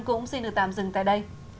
cũng xin được tạm dừng tại đây